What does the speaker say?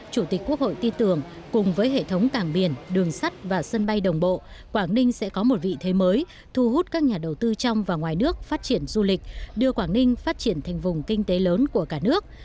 chủ tịch quốc hội tin tưởng cùng với hệ thống cảng biển đường sắt và sân bay đồng bộ quảng ninh sẽ có một vị thế mới thu hút các nhà đầu tư trong và ngoài nước phát triển du lịch đưa quảng ninh phát triển thành vùng kinh tế lớn của cả nước